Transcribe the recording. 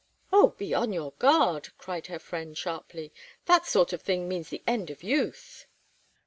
"Oh, be on your guard," cried her friend, sharply. "That sort of thing means the end of youth."